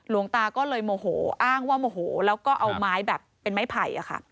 หลวงตาก็เลยโมโหอ้างว่าโมโหแล้วก็เอาไม้แบบเป็นไม้ไผ่